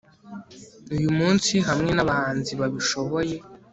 uyumunsi hamwe nabahanzi babishoboye